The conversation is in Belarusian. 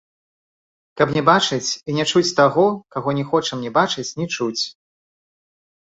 Каб не бачыць і не чуць таго, каго не хочам ні бачыць, ні чуць.